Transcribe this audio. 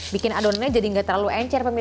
bikin adonannya jadi gak terlalu encer